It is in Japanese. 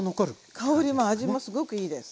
香りも味もすごくいいです。